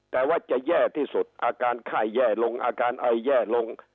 แต่ว่าจะแย่ที่สุดอาการไข้แย่ลงอาการไอแย่ลง